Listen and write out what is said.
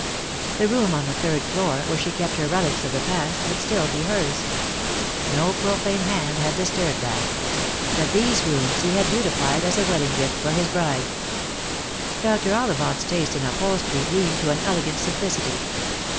The room on the third floor, where she kept her relics of the past, would still be hers. No profane hand had disturbed that. But these rooms he had beautified as a wedding gift for his bride. Dr. Ollivant's taste in upholstery leaned to an elegant sim plicity.